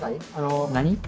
何？